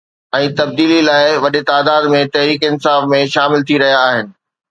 ۽ تبديلي لاءِ وڏي تعداد ۾ تحريڪ انصاف ۾ شامل ٿي رهيا آهن.